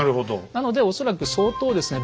なので恐らく相当ですね